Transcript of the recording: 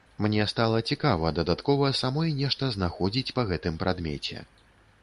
Мне стала цікава дадаткова самой нешта знаходзіць па гэтым прадмеце.